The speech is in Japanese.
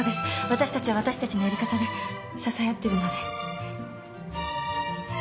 私たちは私たちのやり方で支え合ってるので。